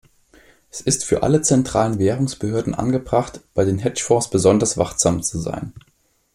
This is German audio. Es ist für alle zentralen Währungsbehörden angebracht, bei den Hedge-Fonds besonders wachsam zu sein.